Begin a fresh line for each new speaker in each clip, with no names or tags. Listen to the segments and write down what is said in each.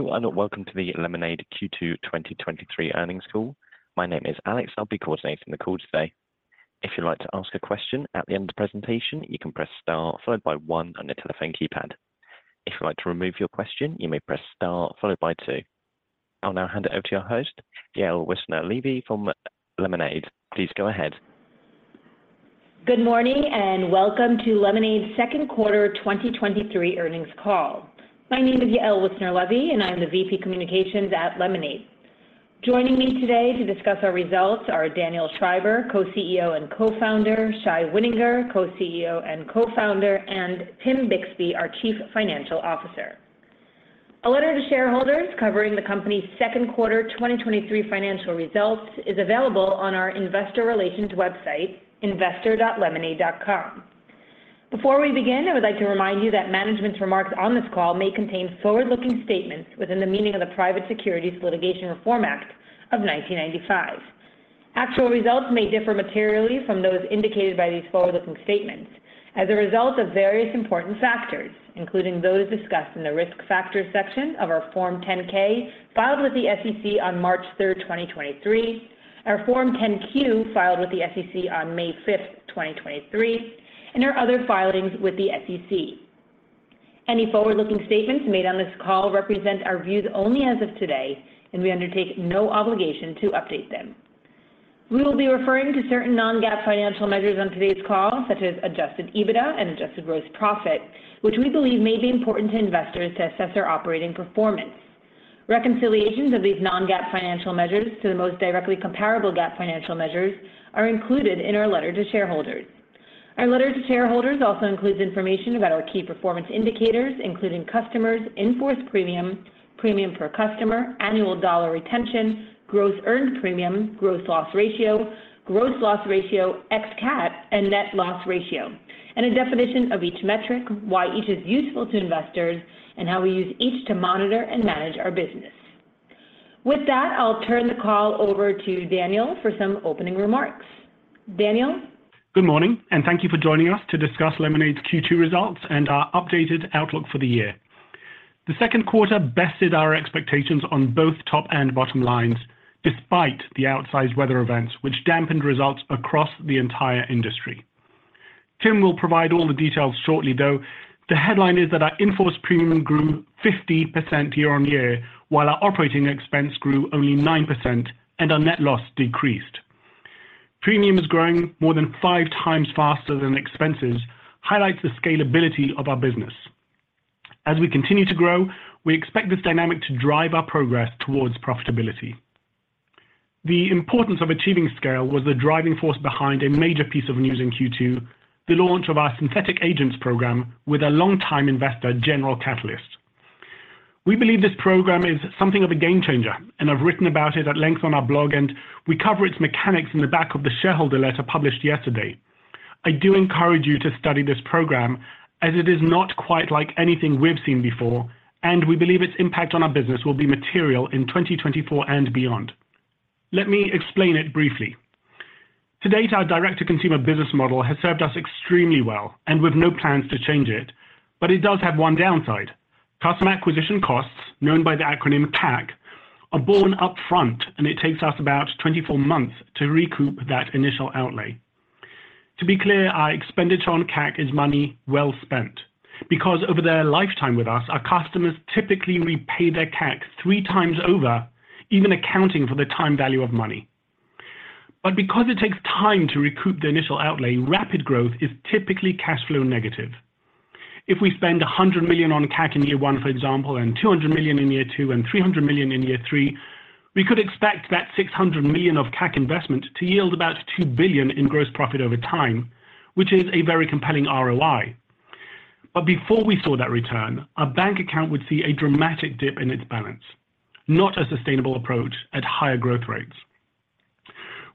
Hello, welcome to the Lemonade Q2 2023 earnings call. My name is Alex, I'll be coordinating the call today. If you'd like to ask a question at the end of the presentation, you can press star followed by one on your telephone keypad. If you'd like to remove your question, you may press star followed by two. I'll now hand it over to your host, Yael Wissner-Levy from Lemonade. Please go ahead.
Good morning, welcome to Lemonade's second quarter 2023 earnings call. My name is Yael Wissner-Levy, and I'm the VP of Communications at Lemonade. Joining me today to discuss our results are Daniel Schreiber, Co-CEO and Co-founder, Shai Wininger, Co-CEO and Co-founder, and Tim Bixby, our Chief Financial Officer. A letter to shareholders covering the company's second quarter 2023 financial results is available on our investor relations website, investor.lemonade.com. Before we begin, I would like to remind you that management's remarks on this call may contain forward-looking statements within the meaning of the Private Securities Litigation Reform Act of 1995. Actual results may differ materially from those indicated by these forward-looking statements as a result of various important factors, including those discussed in the Risk Factors section of our Form 10-K, filed with the SEC on March 3rd, 2023, our Form 10-Q, filed with the SEC on May 5th, 2023, and our other filings with the SEC. Any forward-looking statements made on this call represent our views only as of today, and we undertake no obligation to update them. We will be referring to certain non-GAAP financial measures on today's call, such as adjusted EBITDA and adjusted gross profit, which we believe may be important to investors to assess their operating performance. Reconciliations of these non-GAAP financial measures to the most directly comparable GAAP financial measures are included in our letter to shareholders. Our letter to shareholders also includes information about our key performance indicators, including customers, in-force premium, premium per customer, annual dollar retention, gross earned premium, gross loss ratio, gross loss ratio, ex-CAT, and net loss ratio, and a definition of each metric, why each is useful to investors, and how we use each to monitor and manage our business. With that, I'll turn the call over to Daniel for some opening remarks. Daniel?
Good morning, thank you for joining us to discuss Lemonade's Q2 results and our updated outlook for the year. The second quarter bested our expectations on both top and bottom lines, despite the outsized weather events, which dampened results across the entire industry. Tim will provide all the details shortly, though the headline is that our in-force premium grew 50% year-on-year, while our operating expense grew only 9% and our net loss decreased. Premium is growing more than 5x faster than expenses, highlights the scalability of our business. As we continue to grow, we expect this dynamic to drive our progress towards profitability. The importance of achieving scale was the driving force behind a major piece of news in Q2, the launch of our Synthetic Agents program with a long-time investor, General Catalyst. We believe this program is something of a game changer, and I've written about it at length on our blog, and we cover its mechanics in the back of the shareholder letter published yesterday. I do encourage you to study this program as it is not quite like anything we've seen before, and we believe its impact on our business will be material in 2024 and beyond. Let me explain it briefly. To date, our direct-to-consumer business model has served us extremely well, and we've no plans to change it, but it does have one downside. Customer acquisition costs, known by the acronym CAC, are born upfront, and it takes us about 24 months to recoup that initial outlay. To be clear, our expenditure on CAC is money well spent, because over their lifetime with us, our customers typically repay their CAC 3xover, even accounting for the time value of money. Because it takes time to recoup the initial outlay, rapid growth is typically cash flow negative. If we spend $100 million on CAC in year one, for example, and $200 million in year two and $300 million in year three, we could expect that $600 million of CAC investment to yield about $2 billion in gross profit over time, which is a very compelling ROI. Before we saw that return, our bank account would see a dramatic dip in its balance, not a sustainable approach at higher growth rates.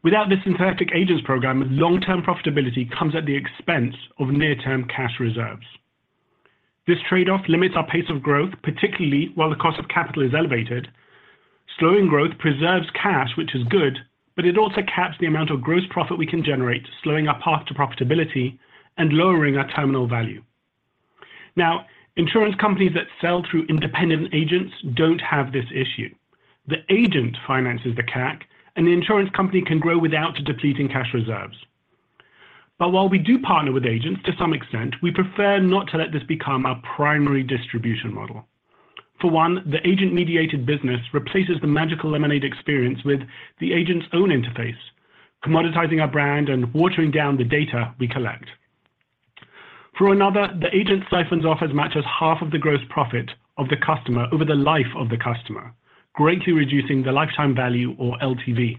Without this Synthetic Agents program, long-term profitability comes at the expense of near-term cash reserves. This trade-off limits our pace of growth, particularly while the cost of capital is elevated. Slowing growth preserves cash, which is good, it also caps the amount of gross profit we can generate, slowing our path to profitability and lowering our terminal value. Insurance companies that sell through independent agents don't have this issue. The agent finances the CAC, and the insurance company can grow without depleting cash reserves. While we do partner with agents to some extent, we prefer not to let this become our primary distribution model. For one, the agent-mediated business replaces the magical Lemonade experience with the agent's own interface, commoditizing our brand and watering down the data we collect. For another, the agent siphons off as much as half of the gross profit of the customer over the life of the customer, greatly reducing the Lifetime Value or LTV.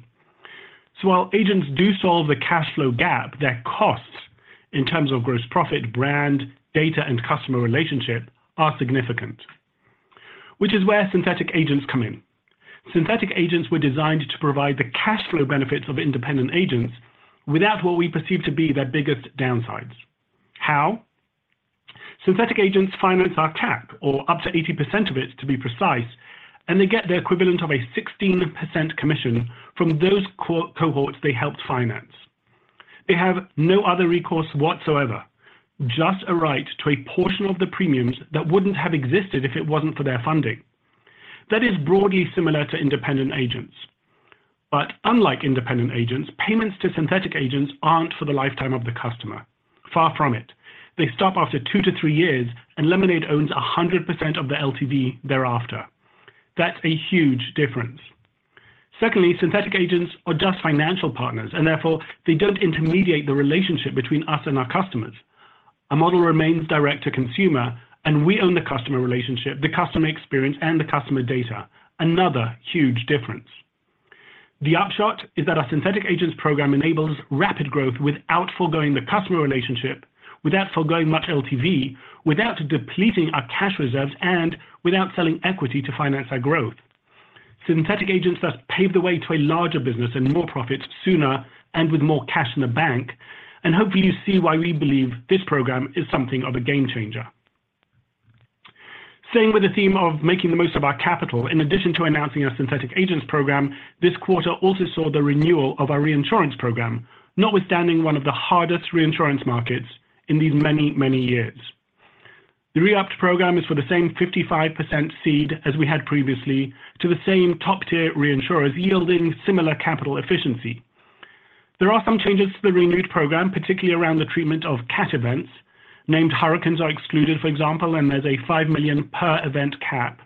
While agents do solve the cash flow gap, their costs in terms of gross profit, brand, data, and customer relationship are significant, which is where Synthetic Agents come in. Synthetic Agents were designed to provide the cash flow benefits of independent agents without what we perceive to be their biggest downsides. How? Synthetic Agents finance our CAC, or up to 80% of it, to be precise, and they get the equivalent of a 16% commission from those co-cohorts they helped finance. They have no other recourse whatsoever, just a right to a portion of the premiums that wouldn't have existed if it wasn't for their funding. That is broadly similar to independent agents. Unlike independent agents, payments to Synthetic Agents aren't for the lifetime of the customer. Far from it. They stop after two to three years, Lemonade owns 100% of the LTV thereafter. That's a huge difference. Secondly, Synthetic Agents are just financial partners, and therefore, they don't intermediate the relationship between us and our customers. Our model remains direct to consumer, and we own the customer relationship, the customer experience, and the customer data. Another huge difference. The upshot is that our Synthetic Agents program enables rapid growth without foregoing the customer relationship, without foregoing much LTV, without depleting our cash reserves, and without selling equity to finance our growth. Synthetic Agents thus pave the way to a larger business and more profits sooner and with more cash in the bank, and hopefully, you see why we believe this program is something of a game changer. Staying with the theme of making the most of our capital, in addition to announcing our Synthetic Agents program, this quarter also saw the renewal of our reinsurance program, notwithstanding one of the hardest reinsurance markets in these many, many years. The re-upped program is for the same 55% cede as we had previously to the same top-tier reinsurers, yielding similar capital efficiency. There are some changes to the renewed program, particularly around the treatment of CAT events. Named hurricanes are excluded, for example, and there's a $5 million per event cap.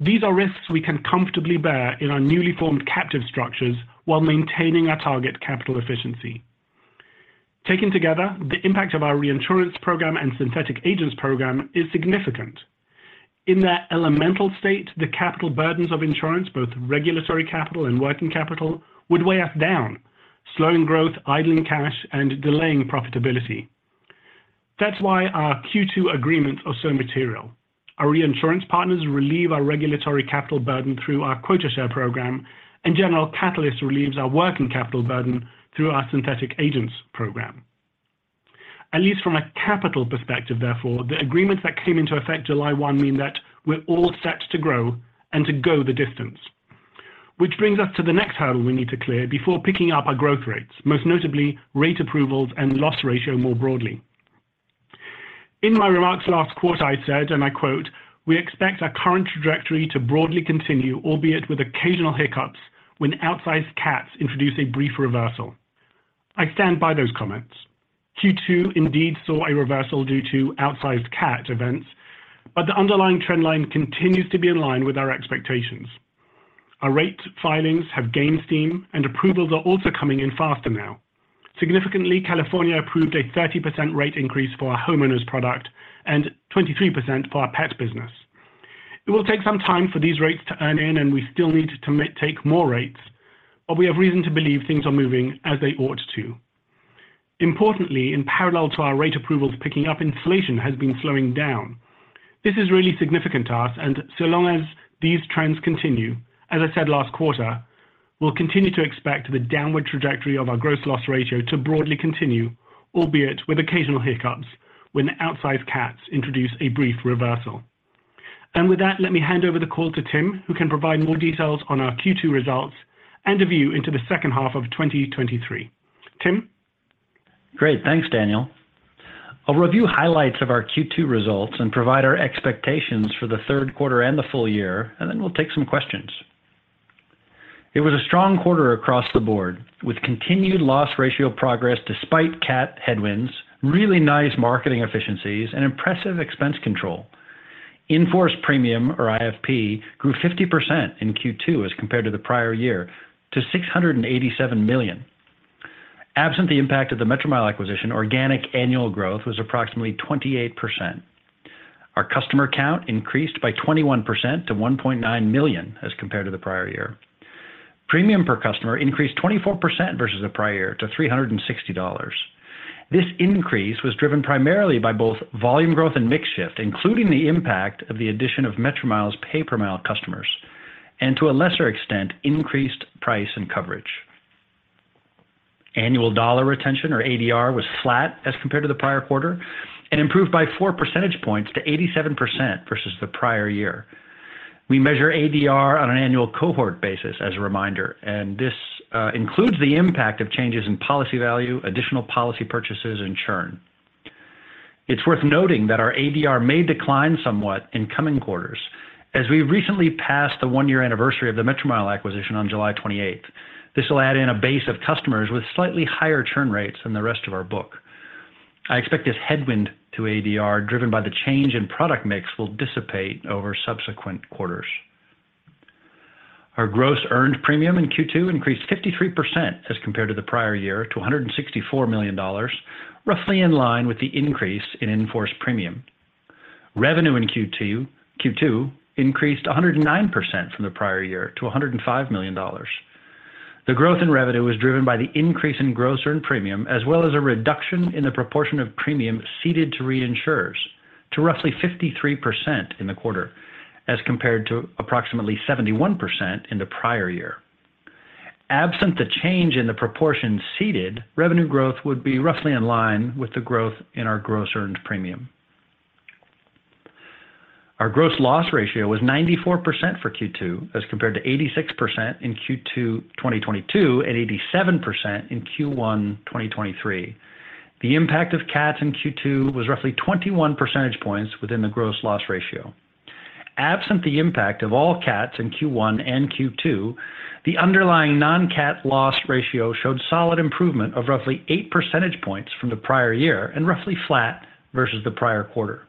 These are risks we can comfortably bear in our newly formed captive structures while maintaining our target capital efficiency. Taken together, the impact of our reinsurance program and Synthetic Agents program is significant. In their elemental state, the capital burdens of insurance, both regulatory capital and working capital, would weigh us down, slowing growth, idling cash, and delaying profitability. That's why our Q2 agreements are so material. Our reinsurance partners relieve our regulatory capital burden through our quota share program, and General Catalyst relieves our working capital burden through our Synthetic Agents program. At least from a capital perspective, therefore, the agreements that came into effect July 1 mean that we're all set to grow and to go the distance. Which brings us to the next hurdle we need to clear before picking up our growth rates, most notably rate approvals and loss ratio more broadly. In my remarks last quarter, I said, and I quote, "We expect our current trajectory to broadly continue, albeit with occasional hiccups, when outsized cats introduce a brief reversal." I stand by those comments. Q2 indeed saw a reversal due to outsized CAT events. The underlying trend line continues to be in line with our expectations. Our rate filings have gained steam. Approvals are also coming in faster now. Significantly, California approved a 30% rate increase for our homeowners product and 23% for our pet business. It will take some time for these rates to earn in. We still need to take more rates, but we have reason to believe things are moving as they ought to. Importantly, in parallel to our rate approvals picking up, inflation has been slowing down. This is really significant to us. So long as these trends continue, as I said last quarter, we'll continue to expect the downward trajectory of our gross loss ratio to broadly continue, albeit with occasional hiccups when outsized CATs introduce a brief reversal. With that, let me hand over the call to Tim, who can provide more details on our Q2 results and a view into the second half of 2023. Tim?
Great. Thanks, Daniel. I'll review highlights of our Q2 results and provide our expectations for the third quarter and the full year, then we'll take some questions. It was a strong quarter across the board, with continued loss ratio progress despite CAT headwinds, really nice marketing efficiencies, and impressive expense control. In-force premium, or IFP, grew 50% in Q2 as compared to the prior year, to $687 million. Absent the impact of the Metromile acquisition, organic annual growth was approximately 28%. Our customer count increased by 21% to 1.9 million as compared to the prior year. Premium per customer increased 24% versus the prior year to $360. This increase was driven primarily by both volume growth and mix shift, including the impact of the addition of Metromile's pay-per-mile customers, and to a lesser extent, increased price and coverage. Annual dollar retention, or ADR, was flat as compared to the prior quarter and improved by 4 percentage points to 87% versus the prior year. We measure ADR on an annual cohort basis as a reminder, this includes the impact of changes in policy value, additional policy purchases, and churn. It's worth noting that our ADR may decline somewhat in coming quarters, as we recently passed the one-year anniversary of the Metromile acquisition on July 28th. This will add in a base of customers with slightly higher churn rates than the rest of our book. I expect this headwind to ADR, driven by the change in product mix, will dissipate over subsequent quarters. Our gross earned premium in Q2 increased 53% as compared to the prior year, to $164 million, roughly in line with the increase in in-force premium. Revenue in Q2, Q2 increased 109% from the prior year to $105 million. The growth in revenue was driven by the increase in gross earned premium, as well as a reduction in the proportion of premium ceded to reinsurers to roughly 53% in the quarter, as compared to approximately 71% in the prior year. Absent the change in the proportion ceded, revenue growth would be roughly in line with the growth in our gross earned premium. Our gross loss ratio was 94% for Q2 as compared to 86% in Q2 2022, and 87% in Q1 2023. The impact of CATs in Q2 was roughly 21 percentage points within the gross loss ratio. Absent the impact of all CATs in Q1 and Q2, the underlying non-CAT loss ratio showed solid improvement of roughly 8 percentage points from the prior year and roughly flat versus the prior quarter.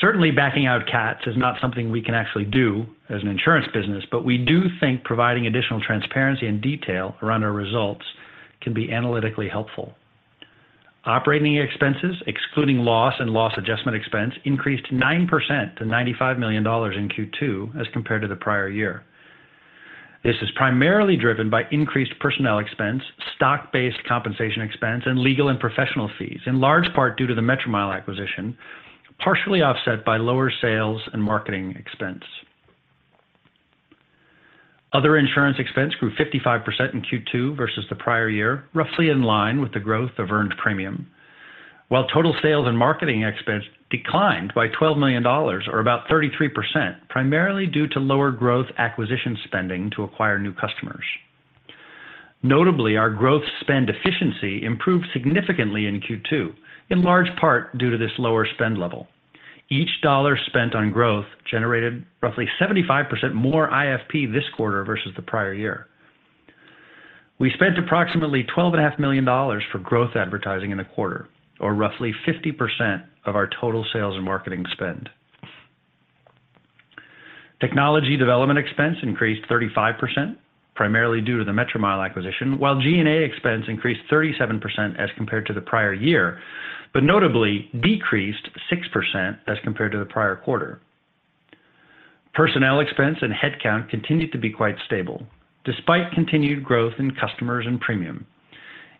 Certainly, backing out CATs is not something we can actually do as an insurance business, but we do think providing additional transparency and detail around our results can be analytically helpful. Operating expenses, excluding loss and loss adjustment expense, increased 9% to $95 million in Q2 as compared to the prior year. This is primarily driven by increased personnel expense, stock-based compensation expense, and legal and professional fees, in large part due to the Metromile acquisition, partially offset by lower sales and marketing expense. Other insurance expense grew 55% in Q2 versus the prior year, roughly in line with the growth of earned premium, while total sales and marketing expense declined by $12 million, or about 33%, primarily due to lower growth acquisition spending to acquire new customers. Notably, our growth spend efficiency improved significantly in Q2, in large part due to this lower spend level. Each dollar spent on growth generated roughly 75% more IFP this quarter versus the prior year. We spent approximately $12.5 million for growth advertising in the quarter, or roughly 50% of our total sales and marketing spend. Technology development expense increased 35%, primarily due to the Metromile acquisition, while G&A expense increased 37% as compared to the prior year, but notably decreased 6% as compared to the prior quarter. Personnel expense and headcount continued to be quite stable despite continued growth in customers and premium.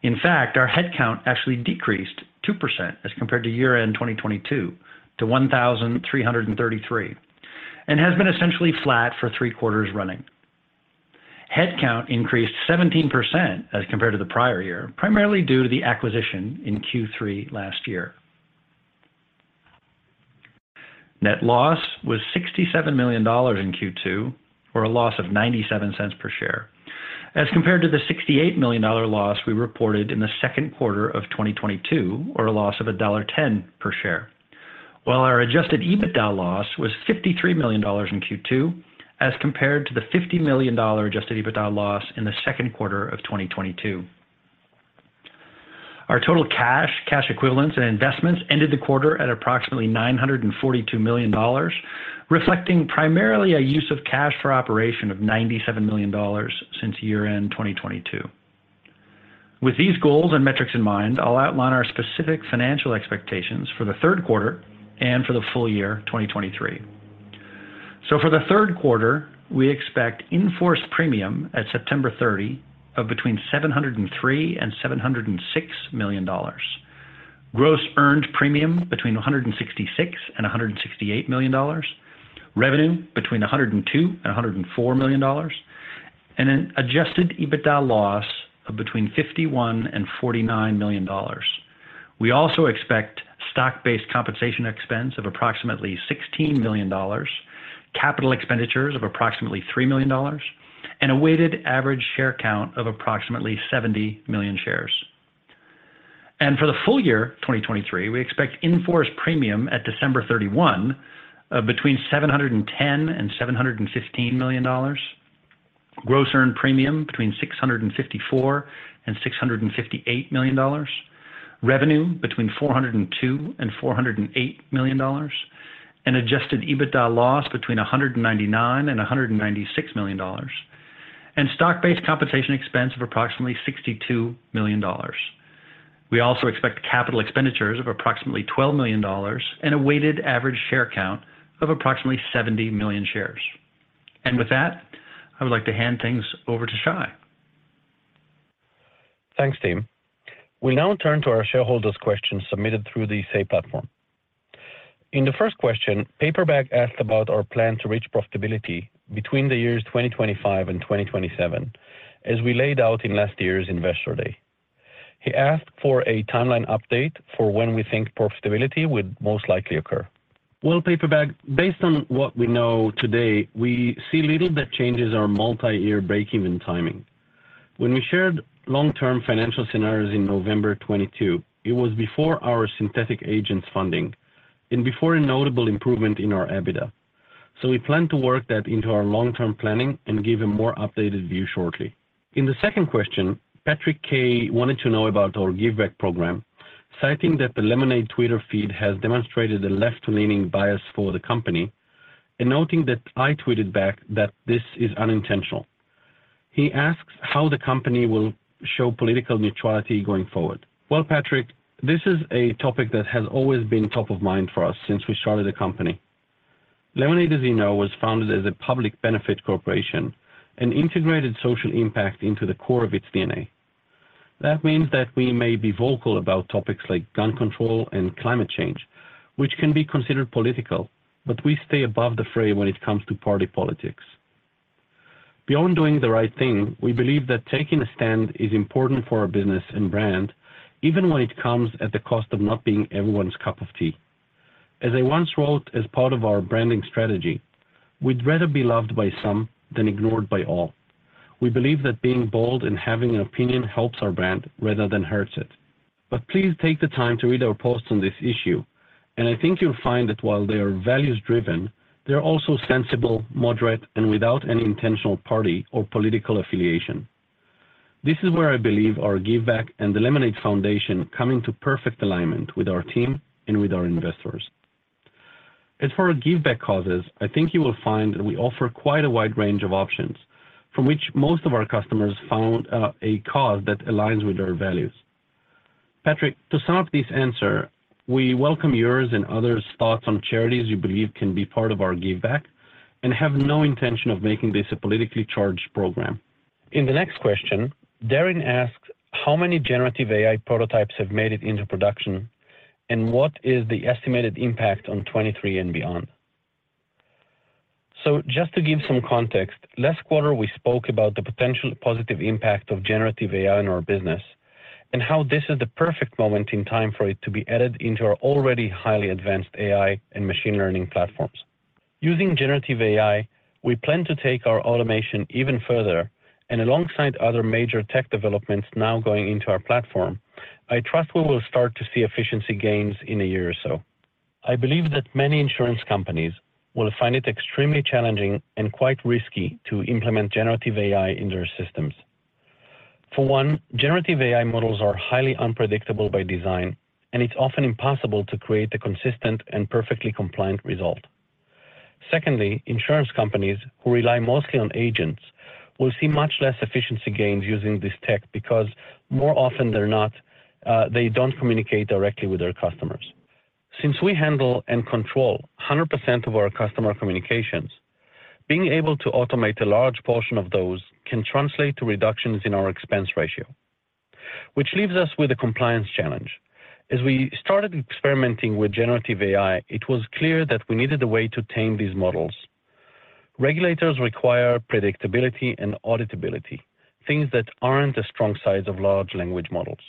In fact, our headcount actually decreased 2% as compared to year-end 2022 to 1,333, and has been essentially flat for three quarters running. Headcount increased 17% as compared to the prior year, primarily due to the acquisition in Q3 last year. Net loss was $67 million in Q2, or a loss of $0.97 per share, as compared to the $68 million loss we reported in the second quarter of 2022, or a loss of $1.10 per share. Our adjusted EBITDA loss was $53 million in Q2, as compared to the $50 million adjusted EBITDA loss in the second quarter of 2022. Our total cash, cash equivalents, and investments ended the quarter at approximately $942 million, reflecting primarily a use of cash for operation of $97 million since year-end 2022. With these goals and metrics in mind, I'll outline our specific financial expectations for the third quarter and for the full year 2023. For the third quarter, we expect in-force premium at September 30 of between $703 million and $706 million. Gross earned premium between $166 million and $168 million, revenue between $102 million and $104 million, and an adjusted EBITDA loss of between $51 million and $49 million. We also expect stock-based compensation expense of approximately $16 million, capital expenditures of approximately $3 million, and a weighted average share count of approximately 70 million shares. For the full year 2023, we expect in-force premium at December 31 of between $710 million and $715 million, gross earned premium between $654 million and $658 million, revenue between $402 million and $408 million, an adjusted EBITDA loss between $199 million and $196 million, and stock-based compensation expense of approximately $62 million. We also expect capital expenditures of approximately $12 million and a weighted average share count of approximately 70 million shares. With that, I would like to hand things over to Shai.
Thanks, team. We now turn to our shareholders' questions submitted through the Say platform. In the first question, Paper Bag asked about our plan to reach profitability between the years 2025 and 2027, as we laid out in last year's Investor Day. He asked for a timeline update for when we think profitability would most likely occur. Well, Paper Bag, based on what we know today, we see little that changes our multi-year breakeven timing. When we shared long-term financial scenarios in November 2022, it was before our Synthetic Agents funding and before a notable improvement in our EBITDA. We plan to work that into our long-term planning and give a more updated view shortly. In the second question, Patrick K. wanted to know about our Giveback program, citing that the Lemonade Twitter feed has demonstrated a left-leaning bias for the company and noting that I tweeted back that this is unintentional. He asks how the company will show political neutrality going forward. Well, Patrick, this is a topic that has always been top of mind for us since we started the company. Lemonade, as you know, was founded as a public benefit corporation and integrated social impact into the core of its DNA. That means that we may be vocal about topics like gun control and climate change, which can be considered political, but we stay above the fray when it comes to party politics. Beyond doing the right thing, we believe that taking a stand is important for our business and brand, even when it comes at the cost of not being everyone's cup of tea. As I once wrote as part of our branding strategy, "We'd rather be loved by some than ignored by all." We believe that being bold and having an opinion helps our brand rather than hurts it. Please take the time to read our posts on this issue, and I think you'll find that while they are values-driven, they're also sensible, moderate, and without any intentional party or political affiliation. This is where I believe our Giveback and the Lemonade Foundation come into perfect alignment with our team and with our investors. As for our Giveback causes, I think you will find that we offer quite a wide range of options from which most of our customers found a cause that aligns with their values. Patrick, to sum up this answer, we welcome yours and others' thoughts on charities you believe can be part of our Giveback and have no intention of making this a politically charged program. In the next question, Darren asks, "How many generative AI prototypes have made it into production, and what is the estimated impact on 2023 and beyond?" Just to give some context, last quarter, we spoke about the potential positive impact of generative AI in our business and how this is the perfect moment in time for it to be added into our already highly advanced AI and machine learning platforms. Using generative AI, we plan to take our automation even further, and alongside other major tech developments now going into our platform, I trust we will start to see efficiency gains in a year or so. I believe that many insurance companies will find it extremely challenging and quite risky to implement generative AI in their systems. For one, generative AI models are highly unpredictable by design, and it's often impossible to create a consistent and perfectly compliant result. Secondly, insurance companies who rely mostly on agents will see much less efficiency gains using this tech because more often than not, they don't communicate directly with their customers. Since we handle and control 100% of our customer communications, being able to automate a large portion of those can translate to reductions in our expense ratio. Which leaves us with a compliance challenge. As we started experimenting with generative AI, it was clear that we needed a way to tame these models. Regulators require predictability and auditability, things that aren't a strong size of large language models.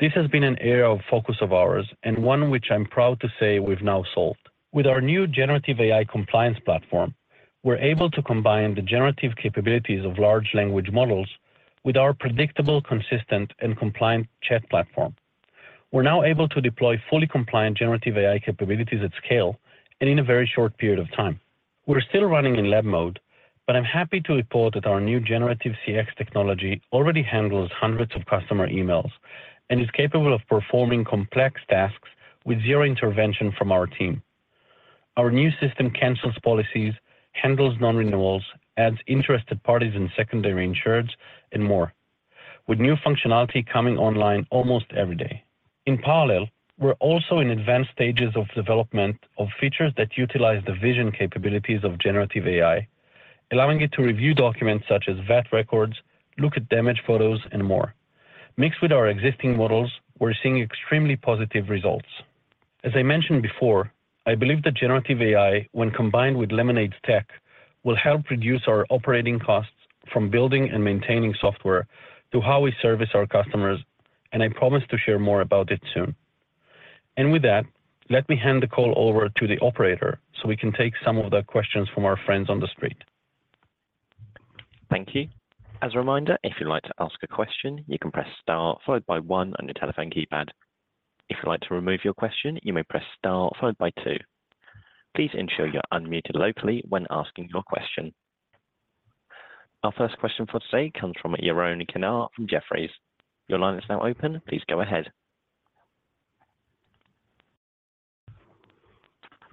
This has been an area of focus of ours and one which I'm proud to say we've now solved. With our new generative AI compliance platform, we're able to combine the generative capabilities of large language models with our predictable, consistent, and compliant chat platform. We're now able to deploy fully compliant generative AI capabilities at scale and in a very short period of time. We're still running in lab mode, but I'm happy to report that our new generative CX technology already handles hundreds of customer emails and is capable of performing complex tasks with zero intervention from our team. Our new system cancels policies, handles non-renewals, adds interested parties and secondary insureds, and more, with new functionality coming online almost every day. In parallel, we're also in advanced stages of development of features that utilize the vision capabilities of generative AI, allowing it to review documents such as VAT records, look at damage photos, and more. Mixed with our existing models, we're seeing extremely positive results. As I mentioned before, I believe that generative AI, when combined with Lemonade's tech, will help reduce our operating costs from building and maintaining software to how we service our customers, and I promise to share more about it soon. With that, let me hand the call over to the operator, so we can take some of the questions from our friends on the street.
Thank you. As a reminder, if you'd like to ask a question, you can press star followed by one on your telephone keypad. If you'd like to remove your question, you may press star followed by two. Please ensure you're unmuted locally when asking your question. Our first question for today comes from Yaron Kinar from Jefferies. Your line is now open. Please go ahead.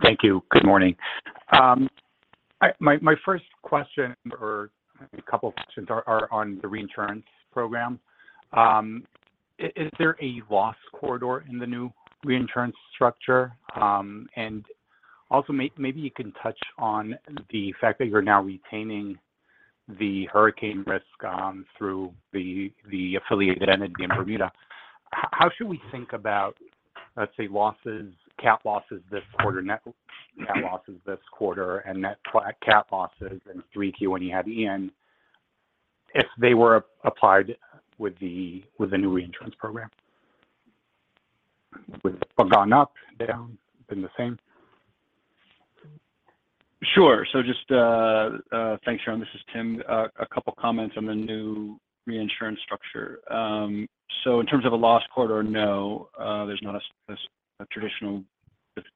Thank you. Good morning. My first question or a couple of questions are on the reinsurance program. Is there a loss corridor in the new reinsurance structure? Maybe you can touch on the fact that you're now retaining the hurricane risk through the affiliated entity in Bermuda. How should we think about, let's say, losses, cat losses this quarter, net cat losses this quarter, and net cat losses in 3Q when you had Hurricane Ian, if they were applied with the new reinsurance program? Would have gone up, down, been the same?
Sure. Just, thanks, Yaron. This is Tim. A couple of comments on the new reinsurance structure. In terms of a loss corridor, no, there's not a traditional,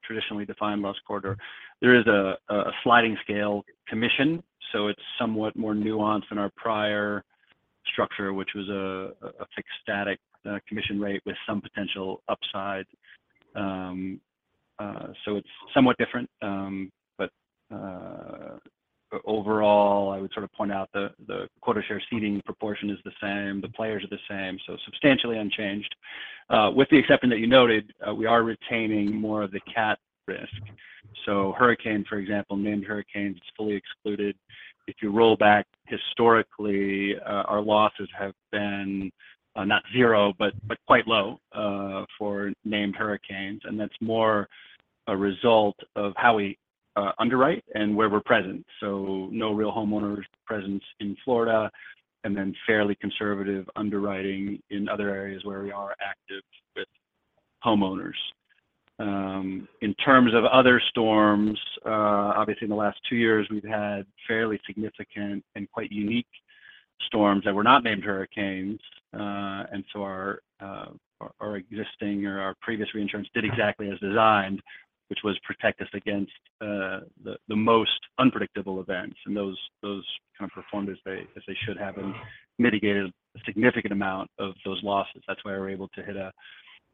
traditionally defined loss corridor. There is a sliding scale commission, so it's somewhat more nuanced than our prior structure, which was a fixed static commission rate with some potential upside. It's somewhat different, but overall, I would sort of point out the quota share ceding proportion is the same, the players are the same, substantially unchanged. With the exception that you noted, we are retaining more of the cat risk. Hurricane, for example, named hurricane, it's fully excluded. If you roll back historically, our losses have been, not zero, but, but quite low, for named hurricanes, and that's more a result of how we, underwrite and where we're present. No real homeowners presence in Florida, and then fairly conservative underwriting in other areas where we are active with homeowners. In terms of other storms, obviously, in the last two years, we've had fairly significant and quite unique storms that were not named hurricanes. Our existing or our previous reinsurance did exactly as designed, which was protect us against, the most unpredictable events. Those, those kind of performed as they, as they should have and mitigated a significant amount of those losses. That's why we were able to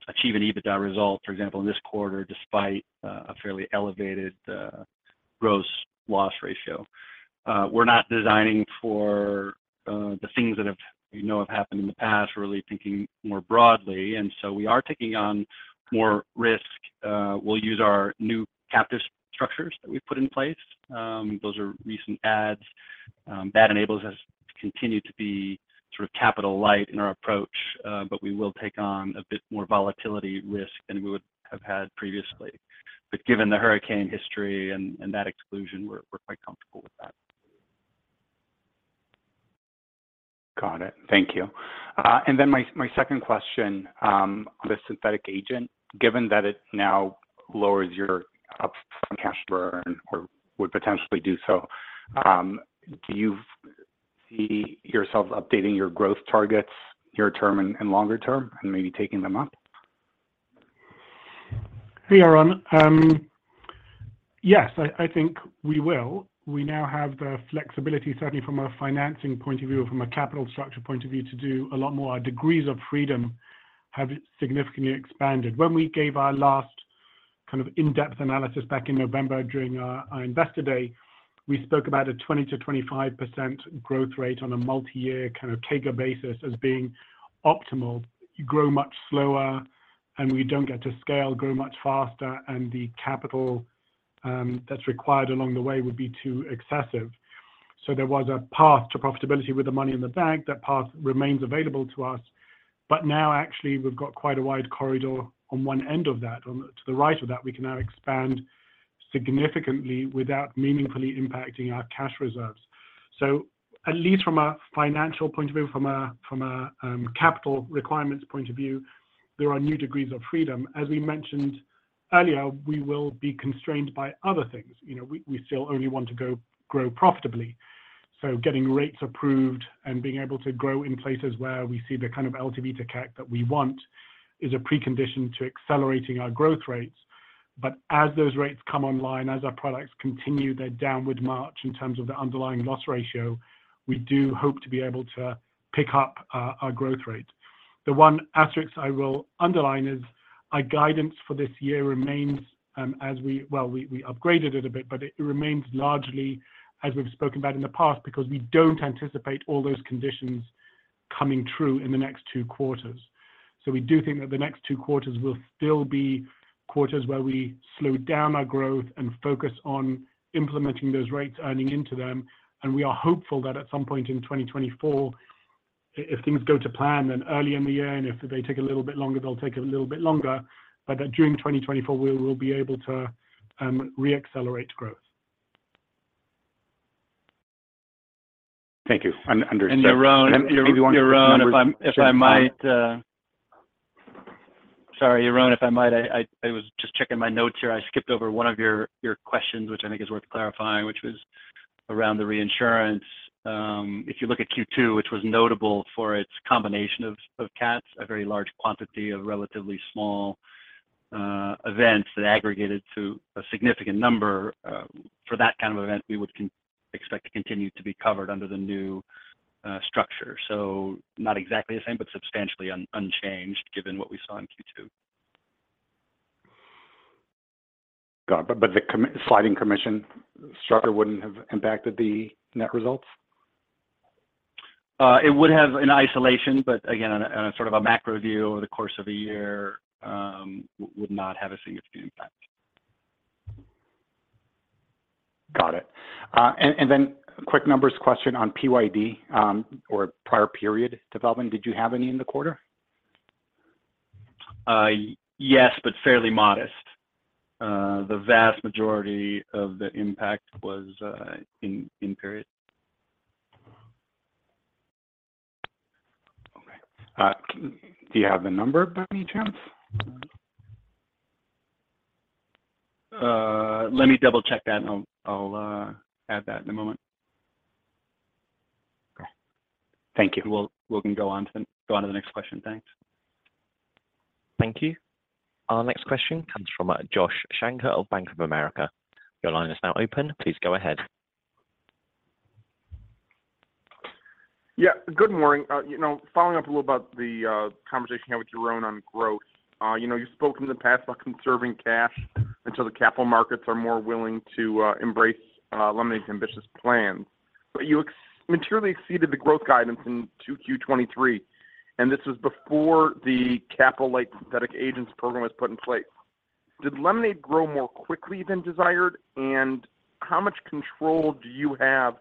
achieve an EBITDA result, for example, in this quarter, despite, a fairly elevated, gross loss ratio. We're not designing for the things that have, you know, happened in the past, we're really thinking more broadly, we are taking on more risk. We'll use our new captive structures that we've put in place. Those are recent adds, that enables us to continue to be sort of capital light in our approach, we will take on a bit more volatility risk than we would have had previously. Given the hurricane history and, and that exclusion, we're, we're quite comfortable with that.
Got it. Thank you. My second question, on the Synthetic Agents, given that it now lowers your upfront cash burn or would potentially do so, do you see yourself updating your growth targets near term and longer term, and maybe taking them up?
Hey, Yaron. Yes, I, I think we will. We now have the flexibility, certainly from a financing point of view or from a capital structure point of view, to do a lot more. Our degrees of freedom have significantly expanded. When we gave our last kind of in-depth analysis back in November during our, our Investor Day, we spoke about a 20%-25% growth rate on a multi-year kind of TAM basis as being optimal. You grow much slower, and we don't get to scale, grow much faster, and the capital that's required along the way would be too excessive. There was a path to profitability with the money in the bank. That path remains available to us, but now actually we've got quite a wide corridor on one end of that. To the right of that, we can now expand significantly without meaningfully impacting our cash reserves. At least from a financial point of view, from a, from a, capital requirements point of view, there are new degrees of freedom. As we mentioned earlier, we will be constrained by other things. You know, we, we still only want to grow profitably, so getting rates approved and being able to grow in places where we see the kind of LTV to CAC that we want is a precondition to accelerating our growth rates. As those rates come online, as our products continue their downward march in terms of the underlying loss ratio, we do hope to be able to pick up our, our growth rate. The one asterisk I will underline is our guidance for this year remains as we, we upgraded it a bit, but it remains largely as we've spoken about in the past, because we don't anticipate all those conditions coming true in the next two quarters. We do think that the next two quarters will still be quarters where we slow down our growth and focus on implementing those rates, earning into them. We are hopeful that at some point in 2024, if things go to plan, then early in the year, and if they take a little bit longer, they'll take a little bit longer, but that during 2024, we will be able to re-accelerate growth.
Thank you.
Yaron, Yaron, if I, if I might. Sorry, Yaron, if I might, I was just checking my notes here. I skipped over one of your, your questions, which I think is worth clarifying, which was around the reinsurance. If you look at Q2, which was notable for its combination of, of cats, a very large quantity of relatively small events that aggregated to a significant number for that kind of event, we would expect to continue to be covered under the new structure. Not exactly the same, but substantially unchanged, given what we saw in Q2.
Got it. sliding commission structure wouldn't have impacted the net results?
It would have in isolation, but again, on a, on a sort of a macro view, over the course of a year, would not have a significant impact.
Got it. Then a quick numbers question on PYD, or prior period development. Did you have any in the quarter?
Yes, but fairly modest. The vast majority of the impact was in, in period.
Okay. Do you have the number, by any chance?
Let me double-check that, and I'll, I'll, add that in a moment.
Okay. Thank you.
We'll, we can go on to the next question. Thanks.
Thank you. Our next question comes from Josh Shanker of Bank of America. Your line is now open. Please go ahead.
Yeah, Good morning. you know, following up a little about the conversation here with Yaron on growth. you know, you've spoken in the past about conserving cash until the capital markets are more willing to embrace Lemonade's ambitious plans. But you materially exceeded the growth guidance in 2Q23, and this was before the capital like Synthetic Agents program was put in place. Did Lemonade grow more quickly than desired, and how much control do you have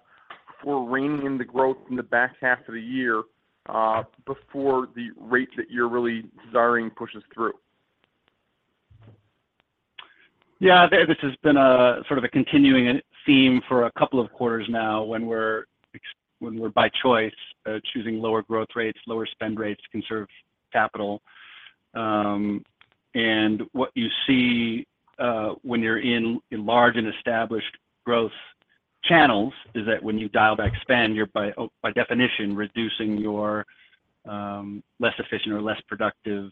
for reining in the growth in the back half of the year, before the rate that you're really desiring pushes through?
Yeah, this has been a sort of a continuing theme for a couple of quarters now, when we're when we're by choice, choosing lower growth rates, lower spend rates to conserve capital. What you see, when you're in large and established growth channels, is that when you dial back spend, you're by definition, reducing your less efficient or less productive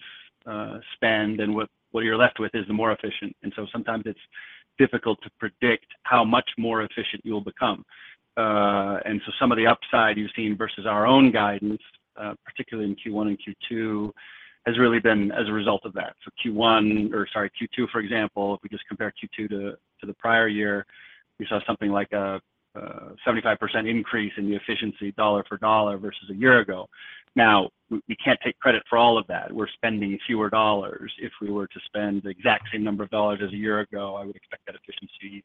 spend, and what you're left with is the more efficient. Sometimes it's difficult to predict how much more efficient you'll become. Some of the upside you've seen versus our own guidance, particularly in Q1 and Q2, has really been as a result of that. Q1, or sorry, Q2, for example, if we just compare Q2 to, to the prior year, we saw something like a 75% increase in the efficiency dollar for dollar versus a year ago. We can't take credit for all of that. We're spending fewer dollars. If we were to spend the exact same number of dollars as a year ago, I would expect that efficiency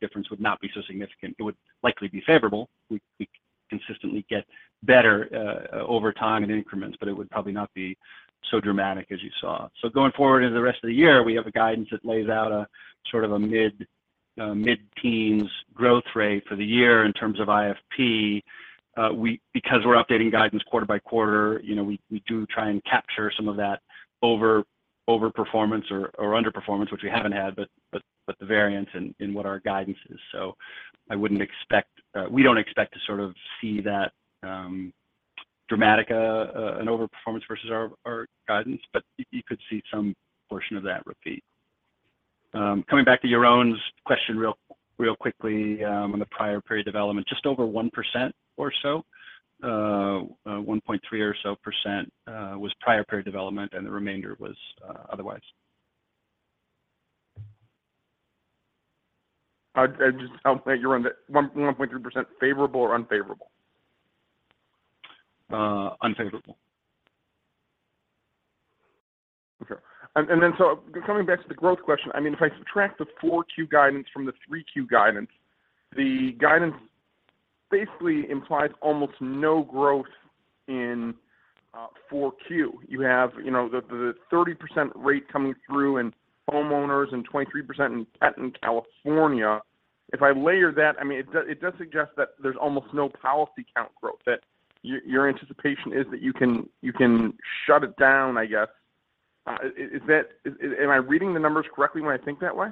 difference would not be so significant. It would likely be favorable. We, we consistently get better over time in increments, but it would probably not be so dramatic as you saw. Going forward into the rest of the year, we have a guidance that lays out a sort of a mid-teens growth rate for the year in terms of IFP. Because we're updating guidance quarter by quarter, you know, we, we do try and capture some of that over, over performance or, or underperformance, which we haven't had, but, but, but the variance in, in what our guidance is. I wouldn't expect we don't expect to sort of see that dramatic an overperformance versus our guidance, but you could see some portion of that repeat. Coming back to your own question real, real quickly, on the prior period development, just over 1% or so, 1.3% or so, was prior period development, and the remainder was otherwise.
Just, you're on the 1.3% favorable or unfavorable?
Unfavorable.
Okay. Then coming back to the growth question, I mean, if I subtract the 4Q guidance from the 3Q guidance, the guidance basically implies almost no growth in 4Q. You have, you know, the, the 30% rate coming through in homeowners and 23% in California. If I layer that, I mean, it does, it does suggest that there's almost no policy count growth, that your, your anticipation is that you can, you can shut it down, I guess. Is that am I reading the numbers correctly when I think that way?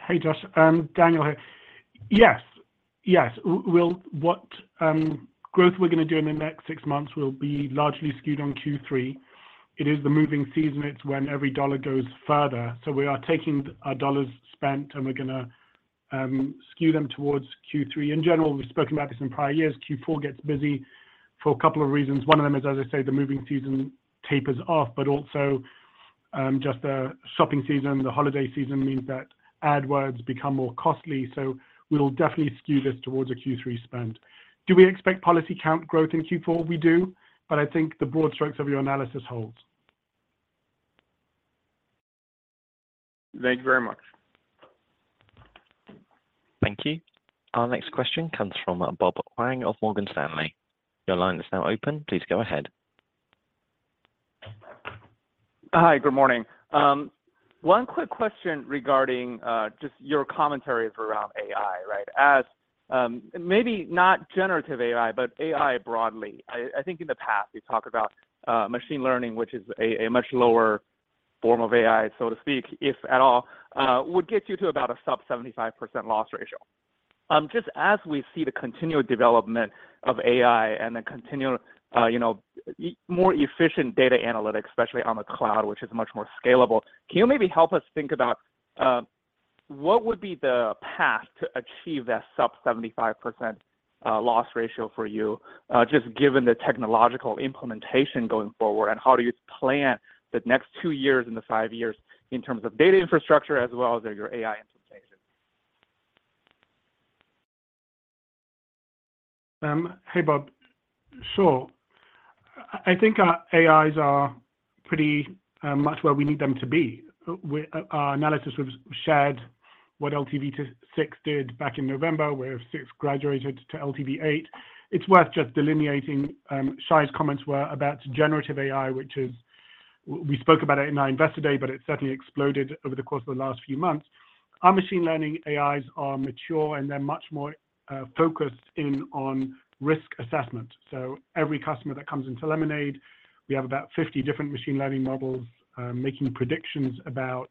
Hey, Josh, Daniel here. Yes. Yes, we'll what growth we're going to do in the next six months will be largely skewed on Q3. It is the moving season. It's when every dollar goes further. We are taking our dollars spent, and we're going to skew them towards Q3. In general, we've spoken about this in prior years, Q4 gets busy for a couple of reasons. One of them is, as I said, the moving season tapers off, but also, just the shopping season, the holiday season means that AdWords become more costly, so we'll definitely skew this towards a Q3 spend. Do we expect policy count growth in Q4? We do, but I think the broad strokes of your analysis holds.
Thank you very much.
Thank you. Our next question comes from Bob Huang of Morgan Stanley. Your line is now open. Please go ahead.
Hi, good morning. One quick question regarding just your commentaries around AI, right? As maybe not generative AI, but AI broadly. I, I think in the past, you talked about machine learning, which is a much lower form of AI, so to speak, if at all, would get you to about a sub 75% loss ratio. Just as we see the continued development of AI and the continued, you know, more efficient data analytics, especially on the cloud, which is much more scalable, can you maybe help us think about what would be the path to achieve that sub 75% loss ratio for you, just given the technological implementation going forward, and how do you plan the next two years and the five years in terms of data infrastructure as well as your AI implementation?
Hey, Bob. Sure. I think our AIs are pretty much where we need them to be. Our analysis was shared what LTV to six did back in November, where six graduated to LTV eight. It's worth just delineating, Shai's comments were about generative AI, which is. We spoke about it in our Investor Day, but it certainly exploded over the course of the last few months. Our machine learning AIs are mature, and they're much more focused in on risk assessment. So every customer that comes into Lemonade, we have about 50 different machine learning models, making predictions about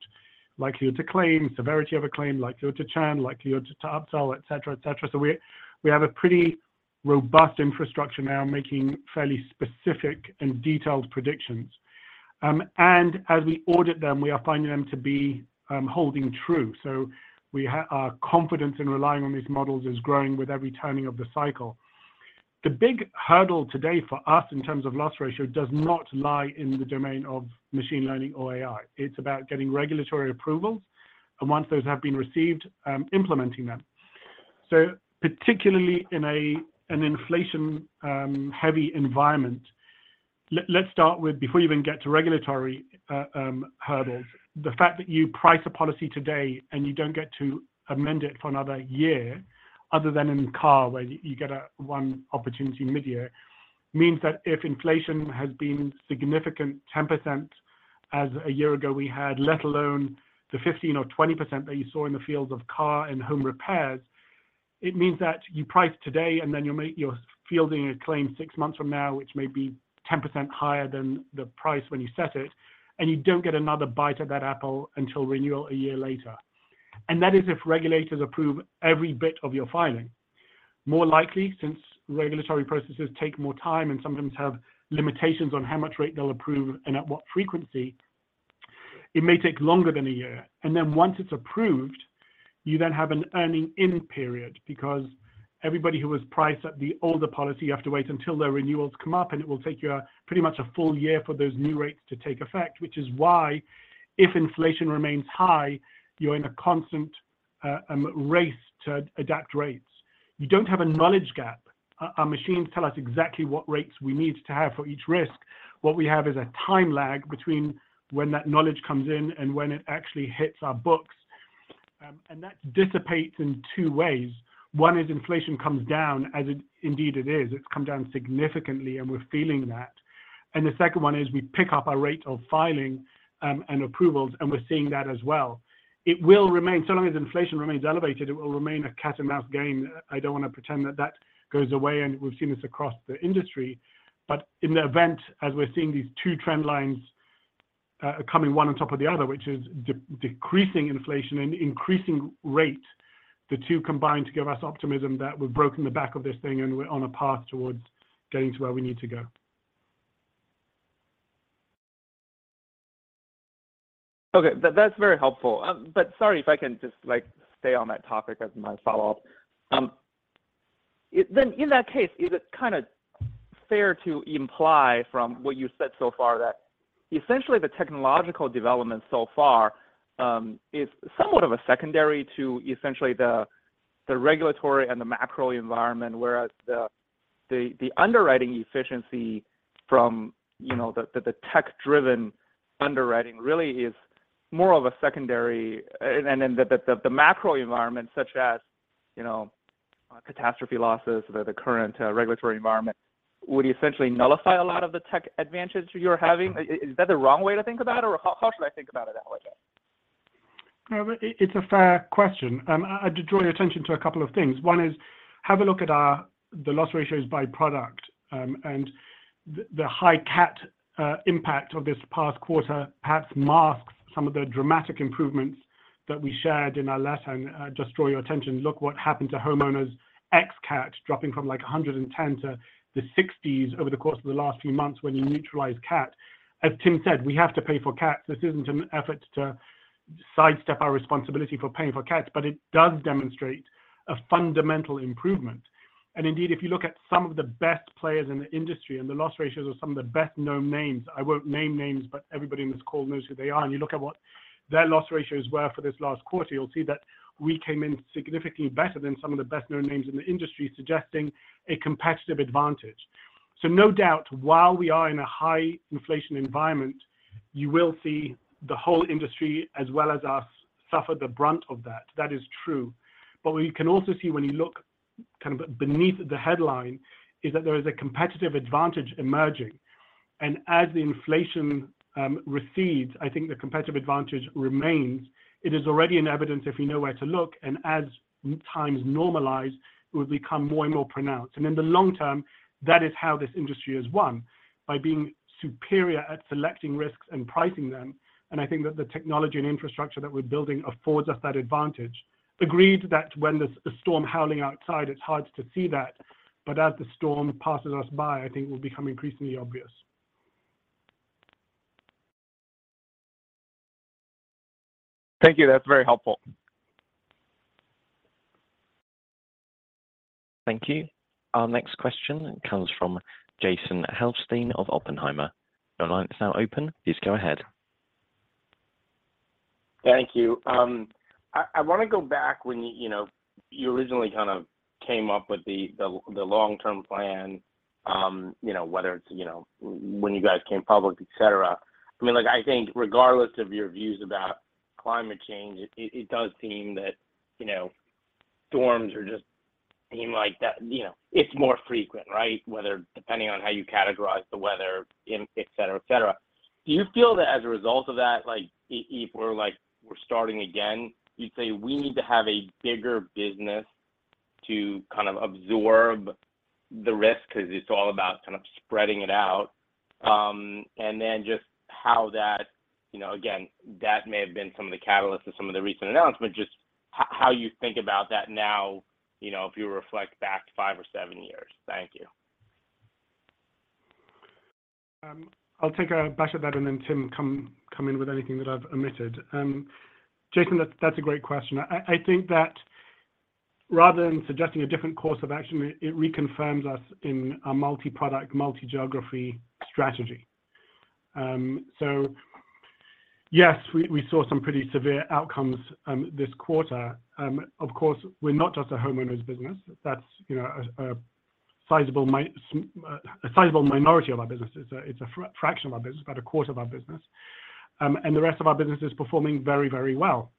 likelihood to claim, severity of a claim, likelihood to churn, likely to, to upsell, et cetera, et cetera. So we, we have a pretty robust infrastructure now, making fairly specific and detailed predictions. As we audit them, we are finding them to be holding true. We have, our confidence in relying on these models is growing with every turning of the cycle. The big hurdle today for us, in terms of loss ratio, does not lie in the domain of machine learning or AI. It's about getting regulatory approvals, and once those have been received, implementing them. Particularly in a, an inflation, heavy environment, let, let's start with before you even get to regulatory, hurdles, the fact that you price a policy today and you don't get to amend it for another year, other than in car, where you, you get a one opportunity midyear, means that if inflation has been significant 10%, as a year ago we had, let alone the 15% or 20% that you saw in the fields of car and home repairs, it means that you price today, and then you're fielding a claim six months from now, which may be 10% higher than the price when you set it, and you don't get another bite of that apple until renewal a year later. That is if regulators approve every bit of your filing. More likely, since regulatory processes take more time and sometimes have limitations on how much rate they'll approve and at what frequency, it may take longer than a year. Once it's approved, you then have an earning in period, because everybody who was priced at the older policy, you have to wait until their renewals come up, and it will take you pretty much a full year for those new rates to take effect, which is why if inflation remains high, you're in a constant race to adapt rates. You don't have a knowledge gap. Our, our machines tell us exactly what rates we need to have for each risk. What we have is a time lag between when that knowledge comes in and when it actually hits our books. And that dissipates in two ways. One is inflation comes down, as it indeed it is. It's come down significantly, we're feeling that. The second one is we pick up our rate of filing and approvals, and we're seeing that as well. It will remain, so long as inflation remains elevated, it will remain a cat and mouse game. I don't want to pretend that that goes away, and we've seen this across the industry. In the event, as we're seeing these two trend lines coming one on top of the other, which is de-decreasing inflation and increasing rate, the two combine to give us optimism that we've broken the back of this thing and we're on a path towards getting to where we need to go.
Okay, that, that's very helpful. Sorry if I can just, like, stay on that topic as my follow-up. Then in that case, is it kind of fair to imply from what you've said so far, that essentially the technological development so far, is somewhat of a secondary to essentially the regulatory and the macro environment, whereas the underwriting efficiency from, you know, the tech-driven underwriting really is more of a secondary, and then the macro environment, such as, you know, catastrophe losses or the current regulatory environment, would essentially nullify a lot of the tech advantage you're having? Is, is that the wrong way to think about it, or how, how should I think about it that way?
No, it, it's a fair question. I'd draw your attention to a couple of things. One is, have a look at our, the loss ratios by product, and the, the high cat impact of this past quarter perhaps masks some of the dramatic improvements that we shared in our letter. Just draw your attention, look what happened to homeowners ex-CAT, dropping from, like, 110 to the 60s over the course of the last few months when you neutralize cat. As Tim said, we have to pay for cats. This isn't an effort to sidestep our responsibility for paying for cats, but it does demonstrate a fundamental improvement. Indeed, if you look at some of the best players in the industry and the loss ratios of some of the best-known names, I won't name names, but everybody in this call knows who they are, and you look at what their loss ratios were for this last quarter, you'll see that we came in significantly better than some of the best-known names in the industry, suggesting a competitive advantage. No doubt, while we are in a high inflation environment, you will see the whole industry, as well as us, suffer the brunt of that. That is true. What you can also see when you look kind of beneath the headline, is that there is a competitive advantage emerging. As the inflation recedes, I think the competitive advantage remains. It is already in evidence if you know where to look, as times normalize, it will become more and more pronounced. In the long term, that is how this industry has won, by being superior at selecting risks and pricing them, I think that the technology and infrastructure that we're building affords us that advantage. Agreed that when there's a storm howling outside, it's hard to see that, as the storm passes us by, I think it will become increasingly obvious.
Thank you. That's very helpful.
Thank you. Our next question comes from Jason Helfstein of Oppenheimer. Your line is now open. Please go ahead.
Thank you. I, I want to go back when you, you know, you originally kind of came up with the, the, the long-term plan, you know, whether it's, you know, when you guys came public, et cetera. I mean, like, I think regardless of your views about climate change, it, it does seem that, you know, storms are just seem like that, you know, it's more frequent, right? Whether depending on how you categorize the weather, et cetera, et cetera. Do you feel that as a result of that, like, if we're like, we're starting again, you'd say we need to have a bigger business to kind of absorb the risk, because it's all about kind of spreading it out? Just how that, you know, again, that may have been some of the catalyst for some of the recent announcements, but just how you think about that now, you know, if you reflect back five or seven years. Thank you.
I'll take a bash at that, and then Tim, come, come in with anything that I've omitted. Jason, that, that's a great question. I, I think that rather than suggesting a different course of action, it reconfirms us in a multi-product, multi-geography strategy. Yes, we, we saw some pretty severe outcomes this quarter. Of course, we're not just a homeowners business. That's, you know, a sizable minority of our business. It's a fraction of our business, about a quarter of our business. The rest of our business is performing very, very well.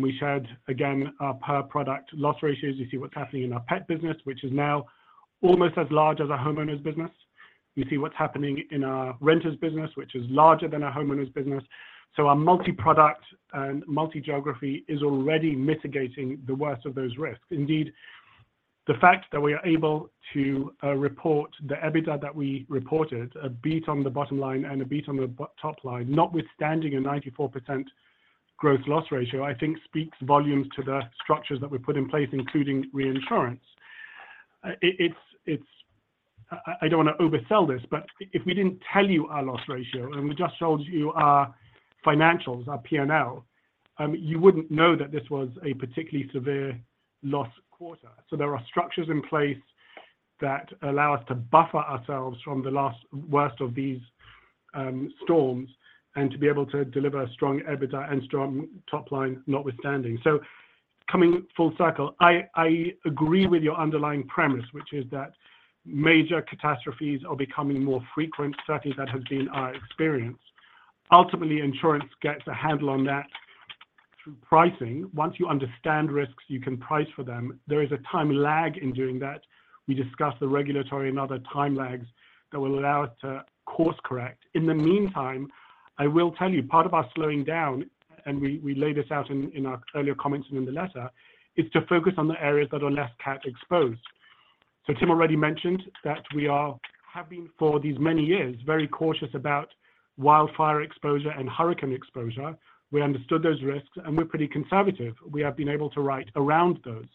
We shared, again, our per product loss ratios. You see what's happening in our pet business, which is now almost as large as our homeowners business. You see what's happening in our renters business, which is larger than our homeowners business. Our multi-product and multi-geography is already mitigating the worst of those risks. Indeed, the fact that we are able to report the EBITDA that we reported, a beat on the bottom line and a beat on the top line, notwithstanding a 94% growth loss ratio, I think speaks volumes to the structures that we've put in place, including reinsurance. It's, I, I don't wanna oversell this, but if we didn't tell you our loss ratio and we just told you our financials, our P&L, you wouldn't know that this was a particularly severe loss quarter. There are structures in place that allow us to buffer ourselves from the last worst of these storms, and to be able to deliver a strong EBITDA and strong top line, notwithstanding. Coming full circle, I, I agree with your underlying premise, which is that major catastrophes are becoming more frequent. Certainly, that has been our experience. Ultimately, insurance gets a handle on that through pricing. Once you understand risks, you can price for them. There is a time lag in doing that. We discuss the regulatory and other time lags that will allow us to course-correct. In the meantime, I will tell you, part of our slowing down, and we, we laid this out in, in our earlier comments and in the letter, is to focus on the areas that are less cat exposed. Tim already mentioned that we are, have been for these many years, very cautious about wildfire exposure and hurricane exposure. We understood those risks, and we're pretty conservative. We have been able to write around those.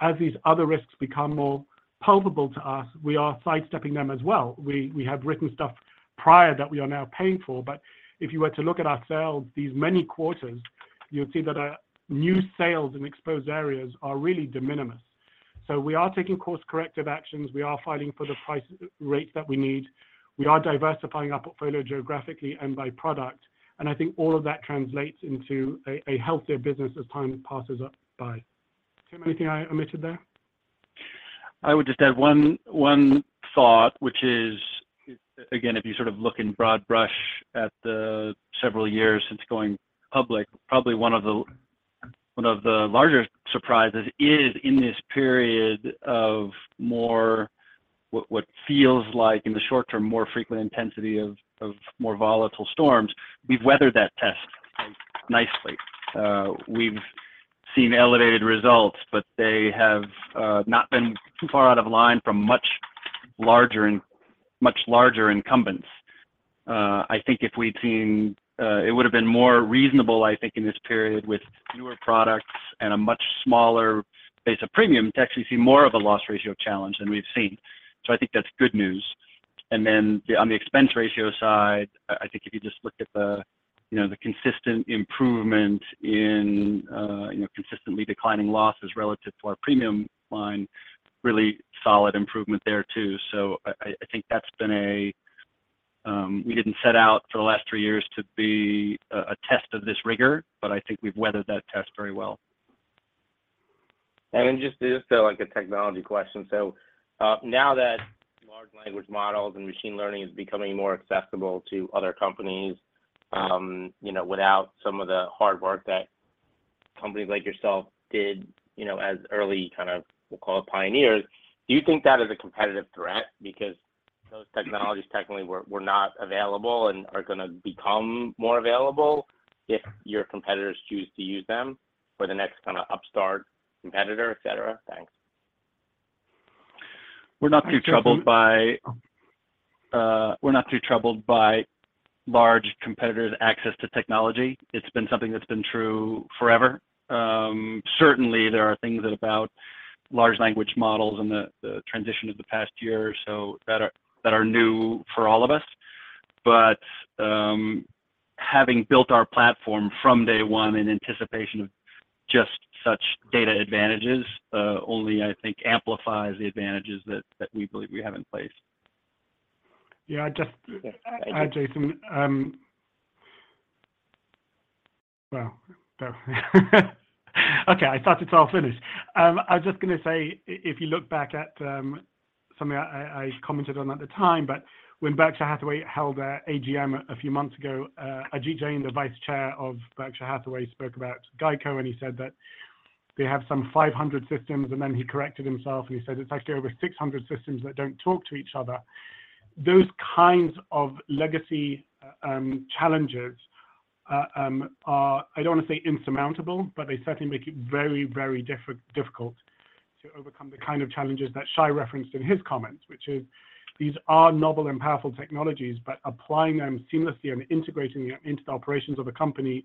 As these other risks become more palpable to us, we are sidestepping them as well. We, we have written stuff prior that we are now paying for. If you were to look at our sales these many quarters, you'd see that our new sales in exposed areas are really de minimis. We are taking course corrective actions. We are fighting for the price rates that we need. We are diversifying our portfolio geographically and by product. I think all of that translates into a, a healthier business as time passes up by. Tim, anything I omitted there?
I would just add one, one thought, which is, again, if you sort of look in broad brush at the several years since going public, probably one of the, one of the larger surprises is in this period of more what, what feels like, in the short term, more frequent intensity of, of more volatile storms, we've weathered that test nicely. We've seen elevated results, but they have not been too far out of line from much larger and much larger incumbents. I think if we'd seen, it would have been more reasonable, I think, in this period with newer products and a much smaller base of premium, to actually see more of a loss ratio challenge than we've seen. I think that's good news. On the expense ratio side, I think if you just look at the, you know, the consistent improvement in, you know, consistently declining losses relative to our premium line, really solid improvement there, too. I think that's been a, we didn't set out for the last three years to be a test of this rigor, but I think we've weathered that test very well.
Then just, just like a technology question. Now that large language models and machine learning is becoming more accessible to other companies, you know, without some of the hard work that companies like yourself did, you know, as early kind of, we'll call it, pioneers, do you think that is a competitive threat? Because those technologies technically were, were not available and are gonna become more available if your competitors choose to use them for the next kind of upstart competitor, et cetera. Thanks.
We're not too troubled by, we're not too troubled by large competitors' access to technology. It's been something that's been true forever. Certainly there are things about large language models and the, the transition of the past year or so that are, that are new for all of us. Having built our platform from day one in anticipation of just such data advantages, only, I think, amplifies the advantages that, that we believe we have in place.
Yeah.
Yeah.
Jason, well, okay, I thought it was all finished. I was just gonna say if you look back at something I, I, I commented on at the time, but when Berkshire Hathaway held their AGM a few months ago, Ajit Jain, the vice chair of Berkshire Hathaway, spoke about GEICO, and he said that they have some 500 systems, and then he corrected himself, and he said it's actually over 600 systems that don't talk to each other. Those kinds of legacy challenges are, I don't want to say insurmountable, but they certainly make it very, very difficult to overcome the kind of challenges that Shai referenced in his comments, which is these are novel and powerful technologies, but applying them seamlessly and integrating them into the operations of a company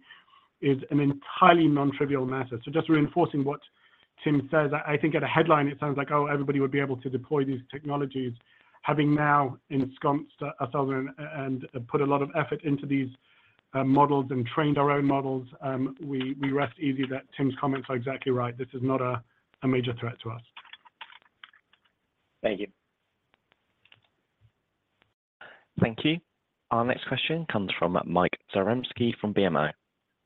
is an entirely nontrivial matter. Just reinforcing what Tim says, I think at a headline, it sounds like, oh, everybody would be able to deploy these technologies. Having now ensconced ourselves and, and put a lot of effort into these models and trained our own models, we, we rest easy that Tim's comments are exactly right. This is not a, a major threat to us.
Thank you.
Thank you. Our next question comes from Mike Zaremski from BMO.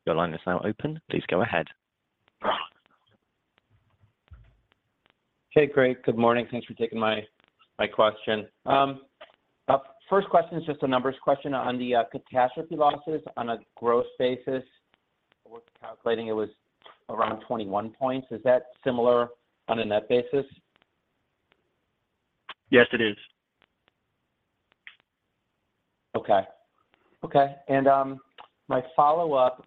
Your line is now open. Please go ahead.
Okay, great. Good morning. Thanks for taking my, my question. First question is just a numbers question on the catastrophe losses on a gross basis. We're calculating it was around 21 points. Is that similar on a net basis?
Yes, it is.
My follow-up,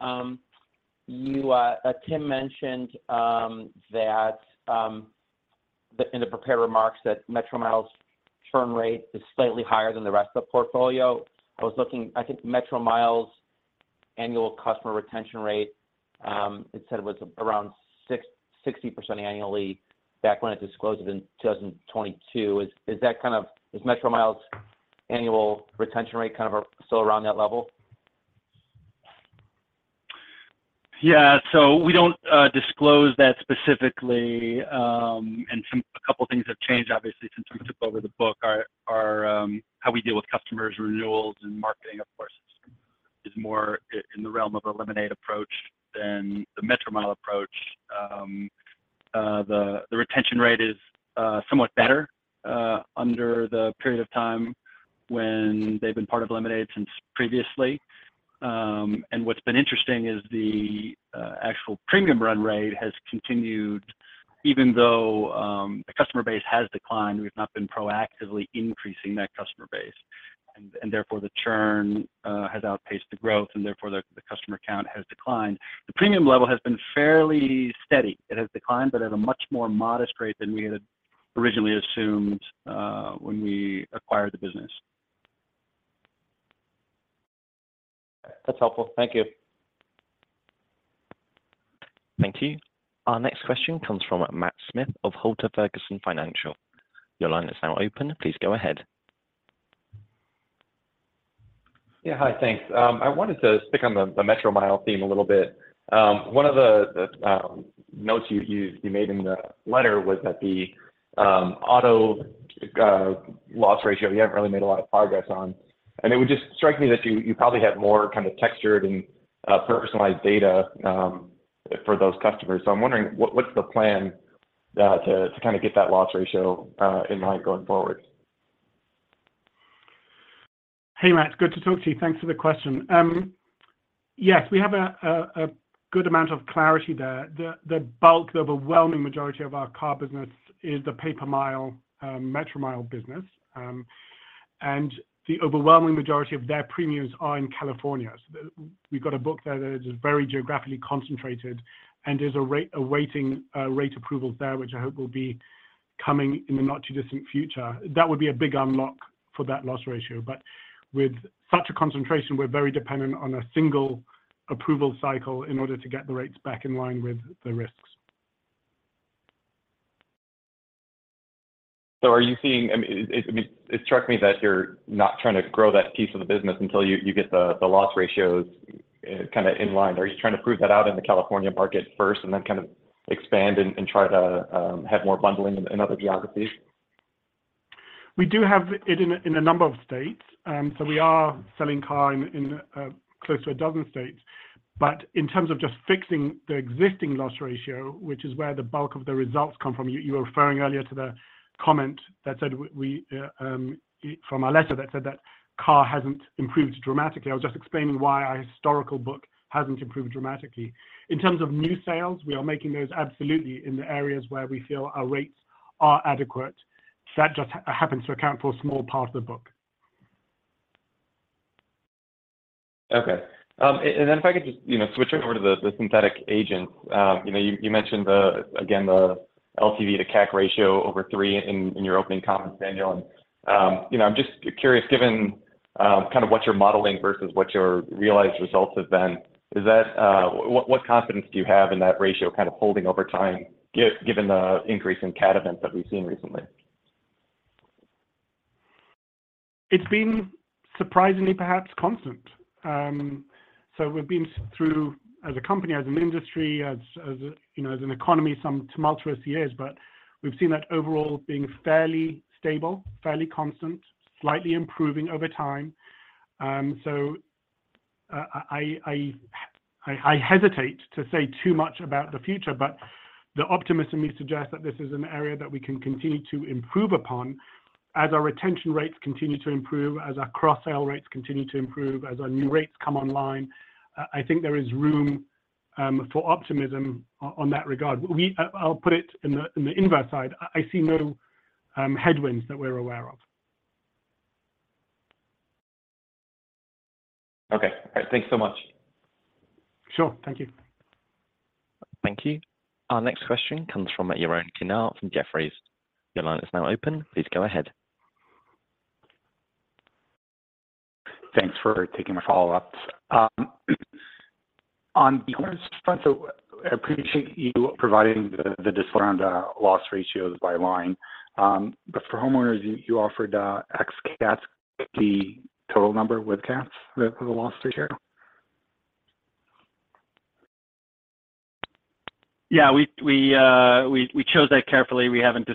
you Tim mentioned that in the prepared remarks, that Metromile's churn rate is slightly higher than the rest of the portfolio. I was looking, I think Metromile's annual customer retention rate, it said it was around 60% annually back when it disclosed it in 2022. Is that kind of, is Metromile's annual retention rate kind of still around that level?
Yeah. We don't disclose that specifically. Two things have changed, obviously, since we took over the book. Our, our, how we deal with customers, renewals, and marketing, of course, is more in the realm of a Lemonade approach than the Metromile approach. The, the retention rate is somewhat better under the period of time when they've been part of Lemonade since previously. What's been interesting is the actual premium run rate has continued even though the customer base has declined. We've not been proactively increasing that customer base, therefore the churn has outpaced the growth, and therefore the, the customer count has declined. The premium level has been fairly steady. It has declined, but at a much more modest rate than we had originally assumed when we acquired the business.
That's helpful. Thank you.
Thank you. Our next question comes from Matt Smith of Halter Ferguson Financial. Your line is now open. Please go ahead.
Yeah. Hi, thanks. I wanted to stick on the Metromile theme a little bit. One of the notes you made in the letter was that the auto loss ratio, you haven't really made a lot of progress on. It would just strike me that you probably have more kind of textured and personalized data for those customers. I'm wondering what, what's the plan to kind of get that loss ratio in line going forward?
Hey, Matt, good to talk to you. Thanks for the question. Yes, we have a good amount of clarity there. The bulk, the overwhelming majority of our car business is the pay-per-mile Metromile business. The overwhelming majority of their premiums are in California. We've got a book there that is very geographically concentrated, and there's a rate awaiting rate approvals there, which I hope will be coming in the not too distant future. That would be a big unlock for that loss ratio, but with such a concentration, we're very dependent on a single approval cycle in order to get the rates back in line with the risks.
I mean, it, it, it struck me that you're not trying to grow that piece of the business until you, you get the, the loss ratios, kind of in line. Are you trying to prove that out in the California market first, and then kind of expand and, and try to, have more bundling in, in other geographies?
We do have it in a number of states. We are selling car in close to 12 states. In terms of just fixing the existing loss ratio, which is where the bulk of the results come from, you were referring earlier to the comment that said we from our letter that said that car hasn't improved dramatically. I was just explaining why our historical book hasn't improved dramatically. In terms of new sales, we are making those absolutely in the areas where we feel our rates are adequate. That just happens to account for a small part of the book.
Okay. Then if I could just, you know, switch over to the, the Synthetic Agents. You know, you, you mentioned the, again, the LTV to CAC ratio over 3 in your opening comments, Daniel. I'm just curious, given, kind of what you're modeling versus what your realized results have been. What confidence do you have in that ratio kind of holding over time given the increase in CAT events that we've seen recently?
It's been surprisingly, perhaps constant. We've been through as a company, as an industry, as, as a, you know, as an economy, some tumultuous years. We've seen that overall being fairly stable, fairly constant, slightly improving over time. I, I, I, I hesitate to say too much about the future. The optimist in me suggests that this is an area that we can continue to improve upon as our retention rates continue to improve, as our cross-sell rates continue to improve, as our new rates come online. I, I think there is room for optimism on that regard. We, I'll put it in the, in the inverse side. I, I see no headwinds that we're aware of.
Okay. All right, thanks so much.
Sure. Thank you.
Thank you. Our next question comes from Yaron Kinar from Jefferies. Your line is now open. Please go ahead.
Thanks for taking my follow-up. On the owners front, I appreciate you providing the, the disaround, loss ratios by line. For homeowners, you, you offered, ex-CATs, the total number with CATs, the, the loss ratio?
Yeah, we, we, we chose that carefully. We haven't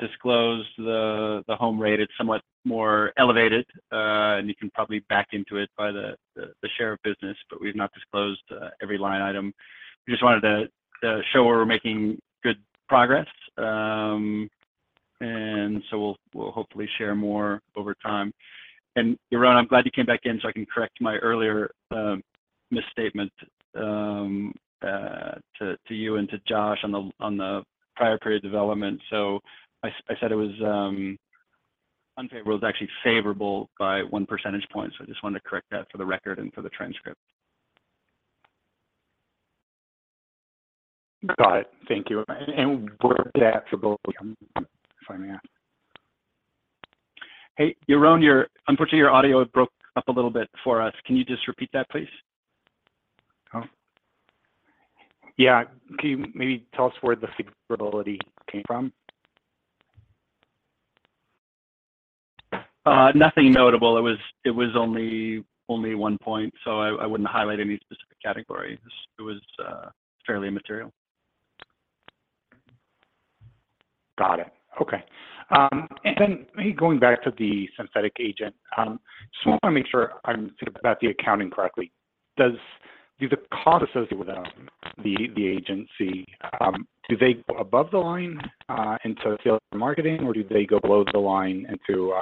disclosed the, the home rate. It's somewhat more elevated, and you can probably back into it by the, the, the share of business, but we've not disclosed every line item. We just wanted to show we're making good progress. We'll, we'll hopefully share more over time. Yaron, I'm glad you came back in, so I can correct my earlier misstatement to you and to Josh on the prior period development. I said it was unfavorable. It was actually favorable by 1 percentage point, so I just wanted to correct that for the record and for the transcript.
Got it. Thank you. Where's the favorability, if I may ask?
Hey, Yaron, unfortunately, your audio broke up a little bit for us. Can you just repeat that, please?
Oh. Yeah. Can you maybe tell us where the favorability came from?
Nothing notable. It was, it was only, only 1 point, so I, I wouldn't highlight any specific categories. It was fairly immaterial.
Got it. Okay. Then maybe going back to the Synthetic Agents, just want to make sure I'm thinking about the accounting correctly. Does the cost associated with the, the agency, do they go above the line into sales and marketing, or do they go below the line into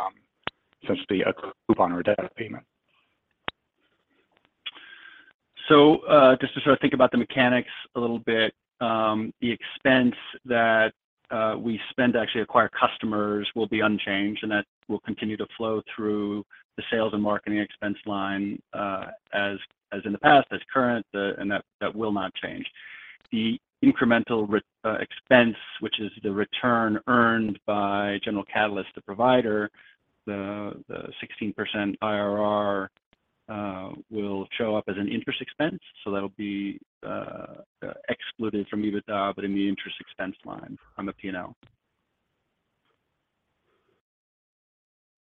essentially a coupon or a data payment?
Just to sort of think about the mechanics a little bit, the expense that we spend to actually acquire customers will be unchanged, and that will continue to flow through the sales and marketing expense line, as in the past, as current, and that, that will not change. The incremental expense, which is the return earned by General Catalyst, the provider, the, the 16% IRR, will show up as an interest expense, so that'll be excluded from EBITDA, but in the interest expense line on the P&L.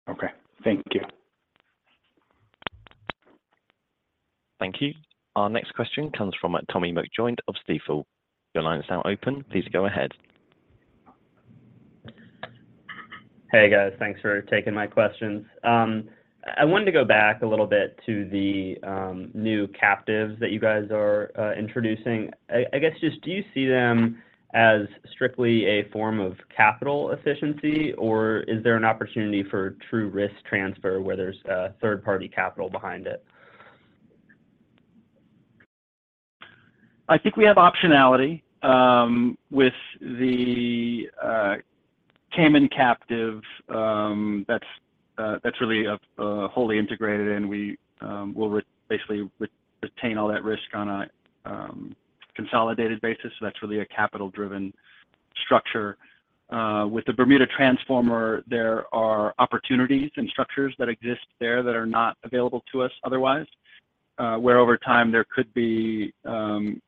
Okay. Thank you.
Thank you. Our next question comes from Tommy McJoynt of Stifel. Your line is now open. Please go ahead.
Hey, guys. Thanks for taking my questions. I wanted to go back a little bit to the new captives that you guys are introducing. Do you see them as strictly a form of capital efficiency, or is there an opportunity for true risk transfer, where there's third-party capital behind it?
I think we have optionality with the Cayman captive, that's really wholly integrated, and we will basically retain all that risk on a consolidated basis. So that's really a capital-driven structure. With the Bermuda transformer, there are opportunities and structures that exist there that are not available to us otherwise, where over time, there could be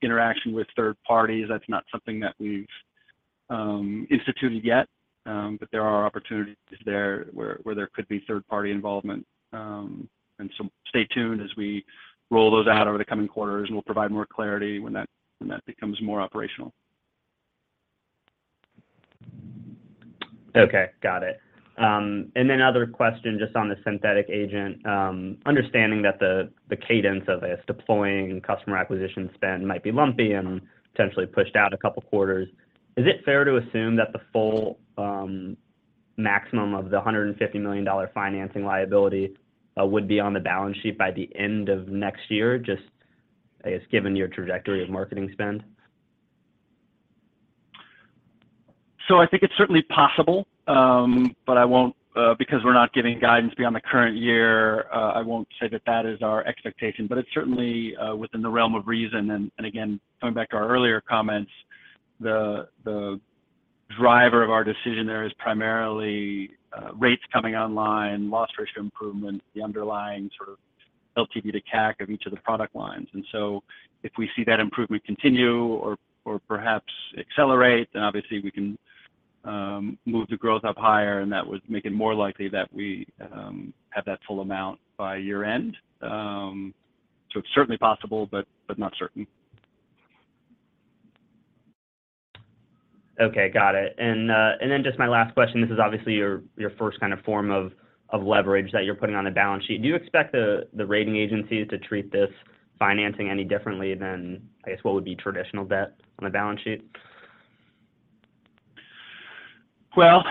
interaction with third parties. That's not something that we've instituted yet, but there are opportunities there where there could be third-party involvement. And so stay tuned as we roll those out over the coming quarters, and we'll provide more clarity when that, when that becomes more operational.
Okay, got it. Another question just on the Synthetic Agents. Understanding that the cadence of this deploying and customer acquisition spend might be lumpy and potentially pushed out a couple of quarters, is it fair to assume that the full maximum of the $150 million financing liability would be on the balance sheet by the end of next year, just given your trajectory of marketing spend?
I think it's certainly possible, but I won't, because we're not giving guidance beyond the current year, I won't say that that is our expectation, but it's certainly within the realm of reason. Again, coming back to our earlier comments, the driver of our decision there is primarily rates coming online, loss ratio improvement, the underlying sort of LTV to CAC of each of the product lines. If we see that improvement continue or perhaps accelerate, then obviously we can move the growth up higher, and that would make it more likely that we have that full amount by year-end. It's certainly possible, but not certain.
Okay, got it. Then just my last question, this is obviously your, your first kind of form of, of leverage that you're putting on the balance sheet. Do you expect the, the rating agencies to treat this financing any differently than, I guess, what would be traditional debt on a balance sheet?
Well,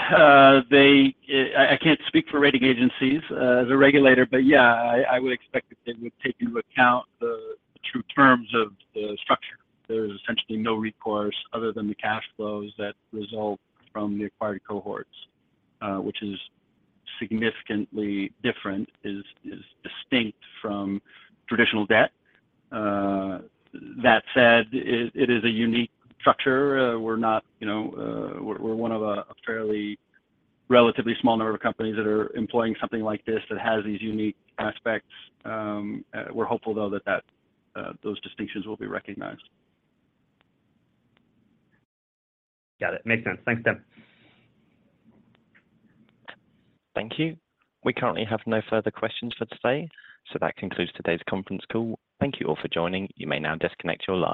they, I, I can't speak for rating agencies, the regulator, but yeah, I, I would expect that they would take into account the true terms of the structure. There is essentially no recourse other than the cash flows that result from the acquired cohorts, which is significantly different, is, is distinct from traditional debt. That said, it, it is a unique structure. We're not, you know, we're, we're one of a, a fairly relatively small number of companies that are employing something like this that has these unique aspects. We're hopeful, though, that, that, those distinctions will be recognized.
Got it. Makes sense. Thanks, Tim.
Thank you. We currently have no further questions for today, so that concludes today's conference call. Thank you all for joining. You may now disconnect your line.